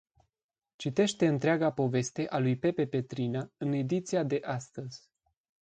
Citește întreaga poveste a lui Pepe Petrina în ediția de astăzi.